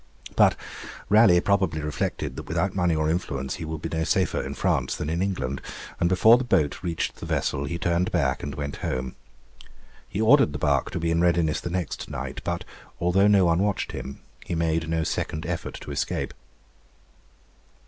But Raleigh probably reflected that without money or influence he would be no safer in France than in England, and before the boat reached the vessel, he turned back and went home. He ordered the barque to be in readiness the next night, but although no one watched him, he made no second effort to escape.